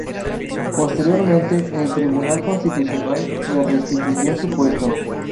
Posteriormente el Tribunal Constitucional le restituyó su puesto.